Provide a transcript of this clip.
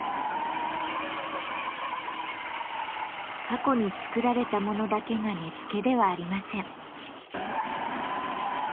過去に作られたものだけが根付ではありません。